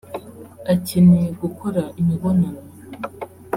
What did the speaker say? Akeneye gukora imibonano